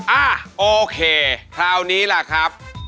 อ่ะโอเคคราวนี้ล่ะครับ